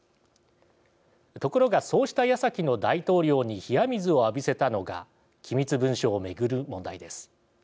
ところが、そうしたやさきの大統領に冷や水を浴びせたのが機密文書を巡る問題です。